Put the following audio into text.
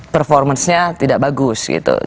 performance nya tidak bagus gitu